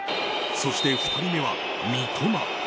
そして２人目は三笘。